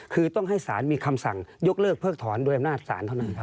คือต้องให้สารมีคำสั่งยกเลิกเพิกถอนโดยอำนาจศาลเท่านั้นครับ